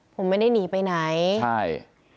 ผมไม่ได้หนีไปไหนใช่